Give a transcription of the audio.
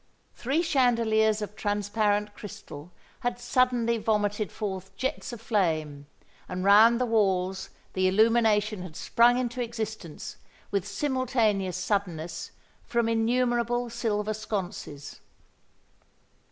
Three chandeliers of transparent crystal had suddenly vomited forth jets of flame; and round the walls the illumination had sprung into existence, with simultaneous suddenness, from innumerable silver sconces.